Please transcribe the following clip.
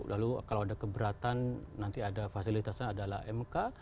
lalu kalau ada keberatan nanti ada fasilitasnya adalah mk